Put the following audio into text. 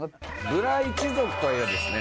ブラ一族というですね